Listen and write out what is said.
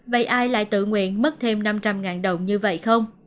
vậy ai lại tự nguyện mất thêm năm trăm linh đồng như vậy không